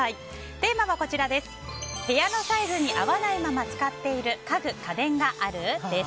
テーマは、部屋のサイズに合わないまま使っている家具・家電がある？です。